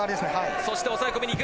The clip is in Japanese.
そして押さえ込みにいく。